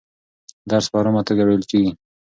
درس په ارامه توګه ویل کېږي.